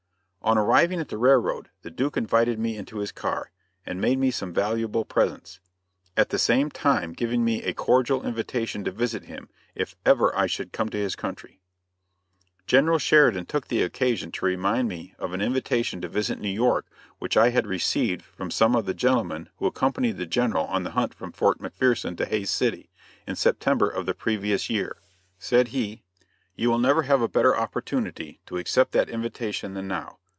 On arriving at the railroad, the Duke invited me into his car, and made me some valuable presents, at the same time giving me a cordial invitation to visit him, if ever I should come to his country. General Sheridan took occasion to remind me of an invitation to visit New York which I had received from some of the gentlemen who accompanied the General on the hunt from Fort McPherson to Hays City, in September of the previous year. Said he: "You will never have a better opportunity to accept that invitation than now.